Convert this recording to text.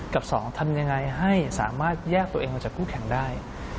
กับ๒ทำยังไงให้สามารถแยกตัวเองออกจากคู่แข่งได้